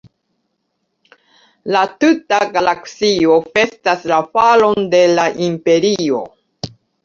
La tuta galaksio festas la falon de la Imperio.